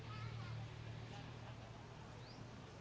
สวัสดีครับทุกคน